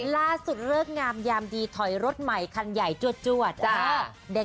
เลิกงามยามดีถอยรถใหม่คันใหญ่จวด